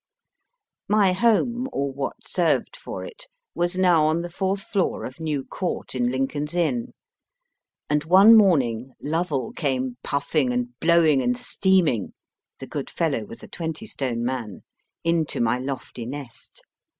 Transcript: My home (or what served for it) was now on the fourth floor of New Court, in Lincoln s Inn, and one morning Lovell came puffing and blowing and steaming (the good fellow was a twenty stone man) into my lofty nest.